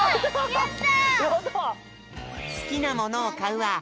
やった！